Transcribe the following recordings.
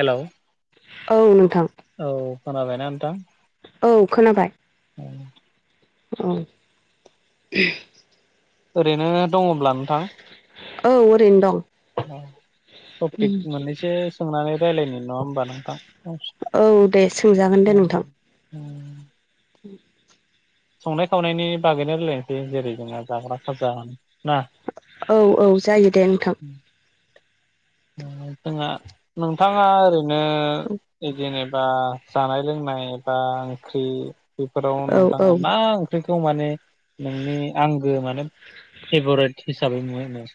हेल' औ नोंथां औ खोनाबायना नोंथां औ खोनाबाय औ ओरैनो दङब्ला नोंथां ओ ओरैनो दं टपिक मोननैसो सोंनानै रायज्लायनि नङा होमबा नोंथां औ दे सोंजागोन दे नोंथां [inaudible] [inaudible] संनाय खावनायनि बागैनो रायलायनोसै जेरै जोंना जाग्रा खाजा ना औ-औ जायो दे नोंथां जोंहा नोंथाङा ओरै नों बिदिनो जेनेबा जानाय लोंनाय एबा ओंख्रि बेफोराव औ औ नोंथाङा मा ओंख्रिखौ माने नोंनि आंबो माने फेभरेट हिसाबै मोनो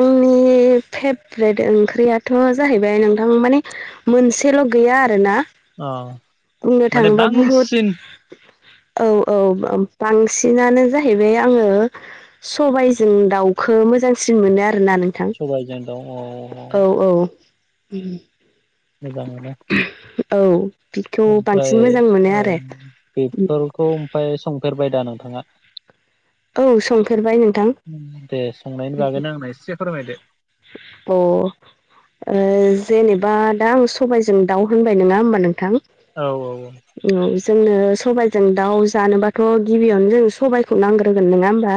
आंनि फेभ्रेट ओंख्रियाथ' जाहैबाय नोंथां माने मोनसेल' गैया आरोना औ बुंनो थाङोबा बुहुद औ-औ बांसिनानो जाहैबाय आङो सबायजों दाउखौ मोजांसिन मोनो आरोना नो सबायजों दाउ अ नोंथां औ-औ मोजांङानो औ बिखौ बांसिन मोजां मोनो आरो खौ ओमफ्राय संफेरबाय दा नोंथाङा औ संफेरबाय नोंथां दे संनायनि बागैनो आंनो एसे फोरमायदो अ जेनेबा दा आं सबायजों दाउ होनबाय नङा होमबा नोंथां औ-औ-औ औ जोंनो सबजों दाउ जानोबाथ' गिबियावनो जों सबाइखौ नांगोन होगोन नोङा होमबा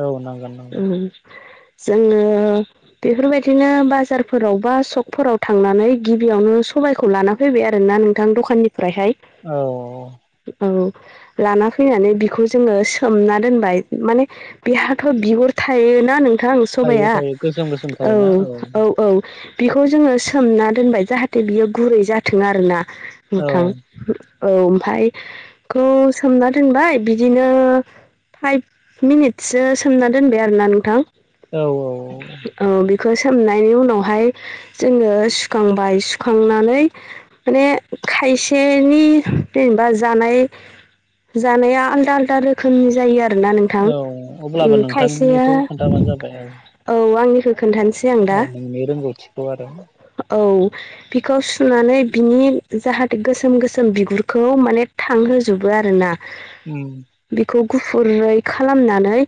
औ औ नांगोन नांगोन ओम जोङो बेफोरबायदिनो बाजारफोराव बा सकफोराव थांनानै गिबियावनो सबायखौ लाना फैबाय आरोना नोंथां दखाननिफ्रायहाय औ औ लाना फैनानै बिखौ जोङो सोमना दोनबाय माने बिहाथ' बिगुर थायोना नोंथां थायो सबाइया थायो गोसोम गोसोम औ थायोना औ औ बिखौ जोङो सोमना दोनबाय जाहाथे बियो गुरै जाथों आरोना औ नोंथां औ ओमफाय एखौ सोमना दोनबाय बिदिनो फाइभ मिनिटससो सोमना दोनबाय आरोना नोंथां औ औ औ बिखौ सोमनायनि उनावहाय जोङो सुखांबाय सुखांनानै माने खायसेनि जेनेबा जानाय जानाया आलदा आलदा रोखोमनि जायो आरो ना नों थां औ अब्लाबो उम खायसेआ नोंथांनिखौ खोन्थाबानो जाबाय औ आंनिखौ खोन्थानोसै आं दा औ नोंनि रोंगौथिखौ आरो औ बिखौ सुनानै बिनि जाहाथे गोसोम गोसोम बिगुरखौ माने थांहोजोबो आरो ना उम बिखौ गुफुरै खालामनानै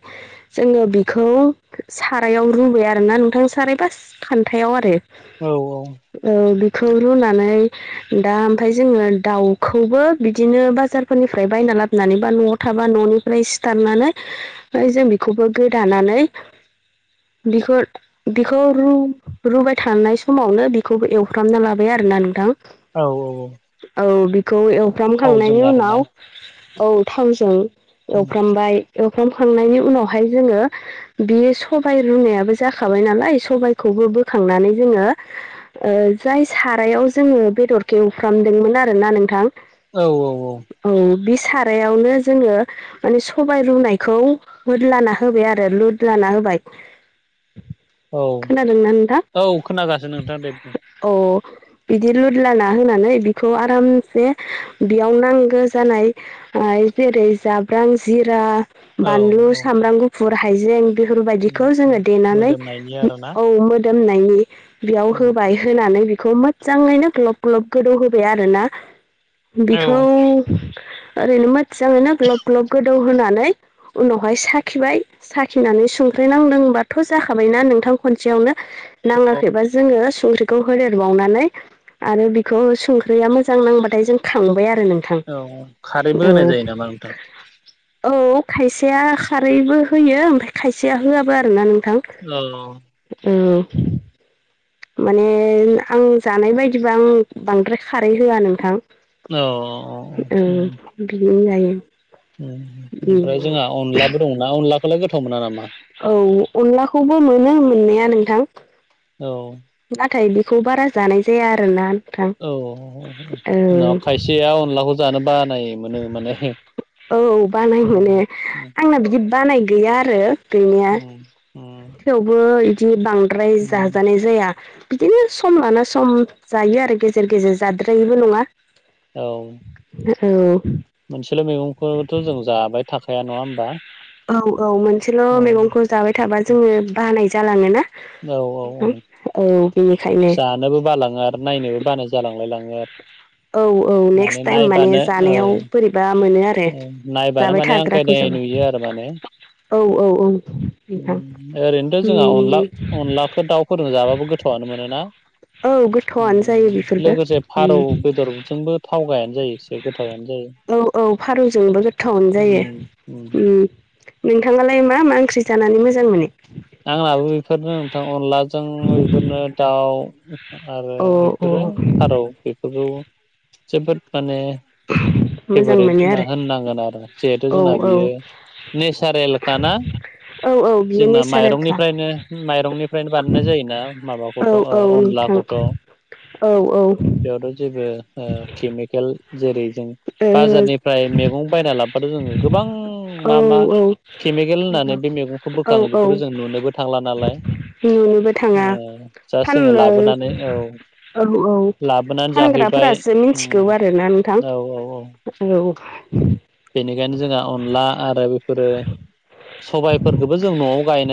जोङो बिखौ सारायाव रुबाय आरोना नोंथां साराय बास खान्थायाव आरो औ औ औ बेखौ रुनानै दा आमफफ्राय जोङो दाउखौबो बिदिनो बाजारफोरनिफ्राय बायना लाबोनानै बा न'आव थाबा न'निफ्राय सिथारनानै ओह जों बेखौबो गोदानानै बिखुर बेखौ रु रुबाय थानाय समावनो बिखौबो एवफ्रामना लाबाय आरोना नोंथां औ औ औ औ बेखौ थावजों एवफ्रामखांनायनि आरोना उनाव औ थावजों एवफ्रामबाय एवफ्रामखांनायनि उनावहाय जोङो बेयो सबाय रुनायाबो जाखाबाय नालाय सबायखौबो बोखांनानै जोङो ओ जाय सारायाव जोङो बेदोरखौ एवफ्रामदोंमोन आरो ना नोंथां औ औ औ औ बे सारायावनो जोङो माने सबाय रुनायखौ होदाला होबाय आरो लुदालाना होबाय औ खोनादोंना औ खोनागासेनो नोंथां दे बुं ओ बिदि लुदला ना होनानै बिखौ आरामसे बेयाव नांगो जानाय ओ जेरै जाब्रां जिरा औ बानलु औ सामब्राम गुफुर हाइजें बेफोरबायदिखौ जोङो देनानै मोदोमनायनि आरोना औ मोदोमनायनि बेयाव उम होबाय होनानै बेखौ मोजाङैनो ग्ल'ब ग्ल'ब गोदौ होबाय आरोना बिखौ औ ओरैनो मोजाङैनो ग्ल'ब ग्ल'ब गोदौ होनानै उनावहाय साखिबाय साखिनानै संख्रि नांदोंबाथ' जाखाबायना नोंथां खनसेआवनो नाङाखैबा जोङो सोंख्रिखौ होदेरबावनानै आरो बिखौ संख्रिआ मोजां नांबाथाय जों खांबाय आरो नों औ खारैबो होनाय जायो नामा नोंथां औ खायसेआ खारैबो होयो आमफाय खायसेआ होआबो आरोना नोंथां ल'ल' औ माने आं जानाय बायदिबा आं बांद्राय खारै होआ नोंथां औ औ बिदिनो जायो उम ओमफ्राय जोंहा अनलाबो दंना अनलाखौलाय गोथाव मोना नामा औ अनलाखौबो मोनो मोननाया नोंथां औ नाथाय बेखौ बारा जानाय जाया आरोना नोंथां औ ननाव खायसेया अनलाखौ जानो बानाय मोनो माने औ बानाय मोनो आंना बिदि बानाय गैया आरो गैनाया थेवबो बिदि बांद्राय जाजानाय जाया बिदिनो सम लाना सम जायो आरो गेजेर गेजेर जाद्रायिबो नङा औ औ मोनसेल' मैगंखौथ' जों जाबाय थाखाया नङा होमबा औ औ मोनसेल' औ मैगंखौ जाबाय थाबा जोङो बानाय जालाङोना औ औ औ औ बेनिखायनो जानोबो बालाङो आरो नायनोबो बानाय जालांलायलाङो औ औ आरो नेक्स्ट माने टाइम नायबानो औ जानायाव बोरैबा मोनो आरो औ नायबानो जाबाय माने आं थाग्राखौ गायनाय जाबा नुयो आरो माने औ औ औ नोंथां उम ओरैनोथ' जोंहा अनला अनलाखौ दाउफोरजों जाबाबो गोथावानो मोनोना औ गोथावआनो जायो बेफोरबो लोगोसे फारौ उम बेदरजोंबो थाव गायानो जायो एसे गोथावनो जायो औ औ फारौजोंबो गोथावानो उम उम जायो नोंथाङालाय मा मा ओंख्रि जानानै मोजां मोनो आंनाबो बेफोरनो नोंथां अनलाजों बेफोरनो दाउ आरो औ औ एफोरो फारौ बेफोरखौ जोबोद माने [inaudible] फेभरेट मोनो होनना आरो होननांगोन आरो जिहेथु औ जोंना औ बियो नेसारेलखा ना औ औ बियो जोंना नेचारेलखा माइरंनिफ्रायनो माइरंनिफ्रायनो बानायनाय जायोना औ माबाखौथ' औ नोंथां अनलाखौथ' द' औ औ बेयावथ' जेबो ओ केमिकेल जेरै जों औ बाजारनिफ्राय मैगं बायना लाबाथ' जोङो गोबां मा मा केमिकेल होननानै बे मैगंखौ औ बोखाङो औ बेखौथ' जों नुनोबो थांला नालाय नुनोबो थाङा जासट जोङो फाननो लाबोनानै औ औ औ लाबोनानै जाफैबाय फानग्राफोरासो मिथिगौ आरोना नोंथां औ औ औ औ बेनिखायनो जोंहा अनला आरो बेफोरो सबायफोरखौबो जों न'आव गाय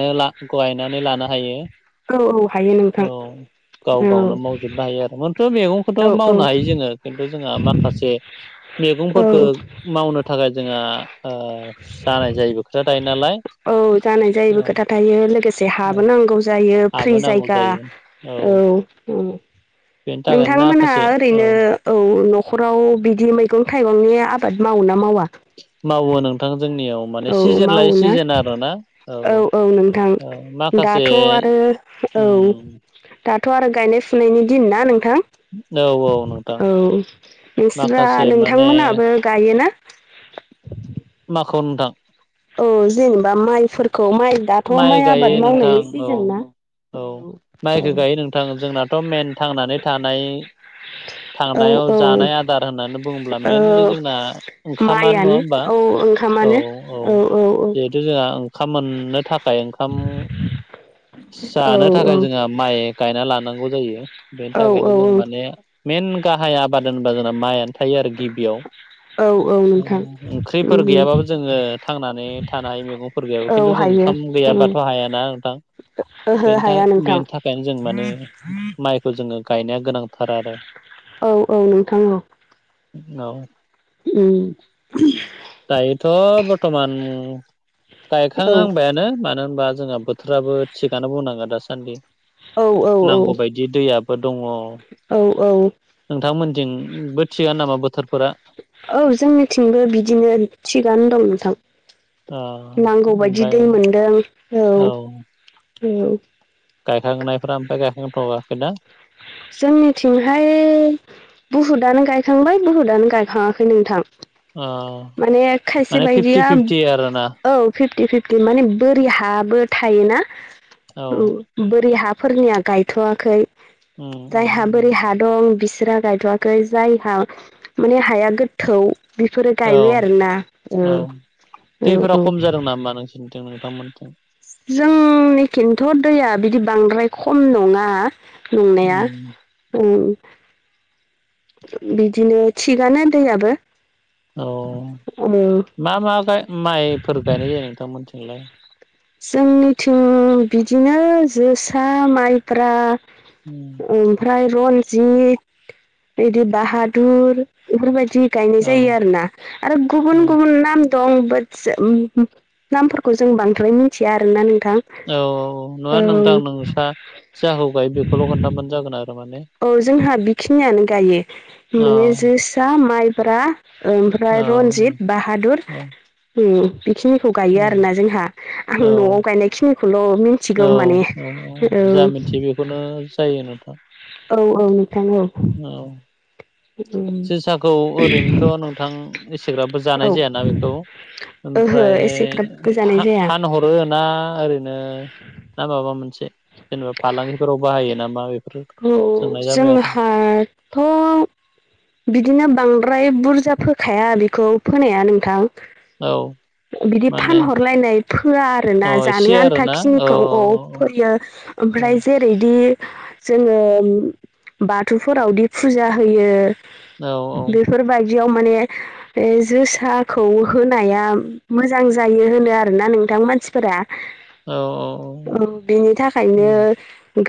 गायनानै लानो हायो औ औ हायो नोंथां औ गाव औ गावनो मावजोबनो हायो आरो मैगंखौथ' औ मावनो हायो औ जोङो खिन्थु जोंहा माखासे औ मैगंफोरखौ मावनो थाखाय जोंहा जानाय जायिबो खोथा थायो नालाय औ जानाय जायैबो औ खोथा थायो लोगोसे हाबो औ नांगौ जायो हाबो फ्रि नांगौ जायगा जायो औ बेनि थाखायनो नोंथांमोनहा माखासे ओरैनो औ न'खराव बिदि मैगं थाइगंनि आबाद मावो ना मावा मावो नोंथां जोंनियाव माने औ सिजोन लायै मावोना सिजोन आरो ना औ माखासे दाथ' आरो औ उम दाथ' आरो गायनाय फुनायनि दिन ना नोंथां औ औ नोंथां औ नोंस्रा माखासे माने नोंथांमोनाबो गायोना माखौ नोंथां औ जेनेबा माइफोरखौ माइ दाथ' माइ आबाद गायो नोंथां मावनायनि औ सिजोन ना औ माइखौ गायो नोंथां जोंनाथ' मेन थांनानै थानाय औ थांनायाव औ जानाय आदार होननानै बुङोब्ला मइेनलि औ जोंना ओंखामानो नङा होमबा माइयानो औ औ ओंखामानो औ औ औ जिहेथु जोंहा ओंखाम मोननो थाखाय ओंखाम औ जानो थाखाय जोंहा माइ गायना लानांगौ जायो बेनि थाखायनो जों औ माने मइेन गाहाय आबाद होनबा जोंना मायानो थायो आरो गिबियाव औ-औ ओंख्रिफोर गैयाबाबो जोङो थांनानै थानो हायो मैगंफोर गैयाबो औ खिन्थु जों हायो उम गैयाबाथ' हायाना ओहो नोंथांनि थाखाय हाया नोंथां बेनि थाखायनो जों माने माइखौ जोङो गायनाया गोनांथार आरो औ-औ नोंथां औ औ उम दायोथ' बर्थमान औ गायखांहां नो मानो होनबा जोंहा बोथोराबो थिगानो बुंनांगोन दासान्दि औ नांगौ बायदि दि दैयाबो दङ औ-औ नोंथांमोनथिंबो थिगानो नामा बोथोरफोरा औ जोंनिथिंबो बिदिनो थिगानो दं नोंथां ओ नांगौबायदि ओमफ्राय दै मोनदों औ-औ गायखांनायफोरा ओमफ्राय गायखांथ'वाखै दा जोंनिथिंहाय बुहुदआनो गायखांबाय बुहुदानो गायखाङाखै नोंथां ओ माने खायसे माने फिफ्टि बायदिया फिफ्टि आरोना औ फिफ्टि फिफ फ्टि माने बोरि हाबो थायोना औ बोरि हाफोरनिया गायथ'वाखै उम जायहा बोरि उम हा दं बिसोरहा गायथ'वाखै जायहा माने हाया गोथौ बिफोरो औ गायबाय आरोना औ औ दैफोरा औ खम जादों नामा नोंसिनिथिं नोंथांमोनथि जोंनि खिन्थ' दैया बिदि बांद्राय खम नङा नंनाया उम औ बिदिनो थिगानो दैयाबो अ औ मा मा माइफोर गायनाय जायो नोंथांमोनथिंलाय जोंनिथिं बिदिनो जोसा माइब्रा उम ओमफ्राय रन्जित बिदि बाहादुर बेफोरबायदि गायनाय औ जायो आरो ना आरो गुबुन उम गुबुन नाम दं बा नामफोरखौ जों बांद्राय मिथिया आरोना नोंथां औ औ नङा नोंथां नोंसा जाखौ गायो बेखौल' खोन्थाबानो जागोन आरो माने औ औ जोंहा बेखिनियानो गायो अ माने जोसा माइब्रा औ ओमफ्राय रन्जित बाहादुर औ ओम बेखिनिखौ उम, गायो आरोना जोंहा आं औ न'आव गायनायखिनिखौल' औ मिथिगौ माने औ जा औ मिथियो बेखौनो जायो नोंथां औ-औ नोंथां औ औ जोसाखौ ओरैनोथ' नोंथां इसेग्राबो जानाय औ जायाना बेखौ ओहो ओमफ्राय एसेग्राब गोजानाय फा जाया फानहर रोना ओरैनो ना माबा मोनसे जेनेबा फालांगिफोराव बाहायो नामा बे औ जोंहाथ' बिदिनो बांद्राय बुरजा फोखाया बेखौ फोनाया नोंथां औ बिदि माने फानहरलायनाय फोआ आरो ना अ जानो एसे आरोना आन्थााखिनिखौ औ फोयो औ ओमफ्राय जे ओरैदि जोङो बाथौफोरावदि फुजा होयो औ बेफोरबायदियाव माने जोसाखौ होनाया मोजां जायो होनो आरोना नोंथां मानसिफोरा औ औ बिनि थाखायनो उम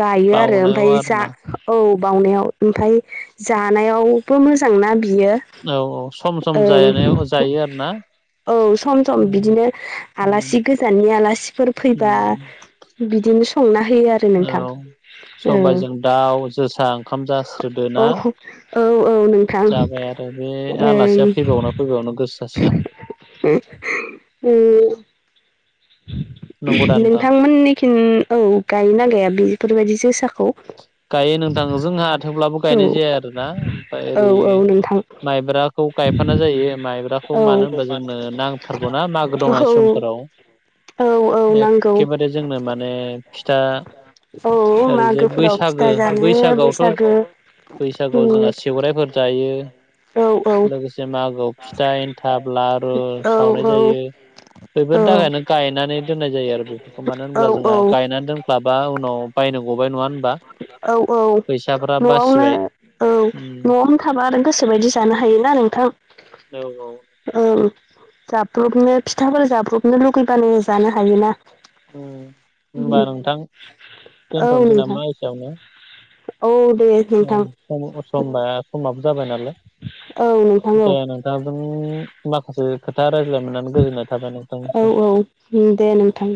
गायो आरो बावनायाव ओमफ्राय जा आरोना औ बावनायाव ओमफ्राय जानायावबो मोजांना बियो औ औ सम सम ओं जानायाव जायो आरो ना औ सम सम बिदिनो आलासि गोजाननि आलासिफोर फैबा उम बिदिनो संना होयो आरो औ नोंथां औ सबाइजों दाउ जोसा ओंखाम जास्रोदो औ ना औ औ नों जाबाय आरो बे आलासिया फैबावनो फैबावनो गोसो जासिगोन औ नंगौदा नोंथां नोंथांमोननि खिन औ गाय ना गाया बेफोरबायदि जोसाखौ गायो नोंथां जोंहा थेवब्लाबो औ गायनाय जाया आरोना ओमफ्राय औ ओरै नोंथां माइब्राखौ गायफानाय जायो माइब्राखौ औ मानो होनबा जोंनो नांथारगौना मागो औ दमासि समफोराव औ औ नांगौ एखेबारे जोंनो माने फिथा औ ओरैजाय मागोफोराव बैसागो फिथा जानो बैसागोआवथ' बैसागो बैसागुआव उम जोंहा सेवरायफोर जायो औ औ लोगोसे मागोआव फिथा ए थाब लारु सावनाय औ जायो औ बेफोरनि औ थाखायनो गायनानै दोननाय जायो आरो बेफोरखौ मानो औ होनब्ला जोंहा औ गायनानै दोन खाबा उनाव बायनो गबाय नङा होनबा औ औ फैसाफ्रा बासिबाय न'आवनो औ उम न'आवनो थाबा आरो गोसो बायदि जानो हायोना नोंथां औ औ ओं जाब्रबनो फिथाफोर जाब्रबनो लुगैबानो जानो हायोना उम होमबा औ नोंथां जोंनो औ दे नोंथां समबा समाबो जाबाय नालाय औ नोंथां औ दे नोंथांजों माखासे खोथा रायज्लाय मोननानै गोजोननाय थाबाय औ नोंथांनिसिम औ दे नोंथां